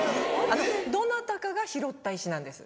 どなたかが拾った石なんです。